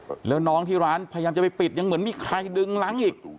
แล้วน้องที่ร้านพยายามจะไปปิดยังเหมือนมีใครดึงล้างอีก